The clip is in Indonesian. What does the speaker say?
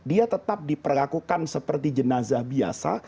itu adalah mazah biasa